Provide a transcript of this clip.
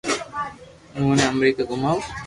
اووہ ني امريڪا گوماوُ